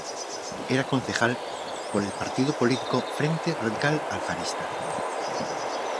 Era concejal por el partido político Frente Radical Alfarista.